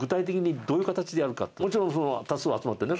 もちろん多数集まってね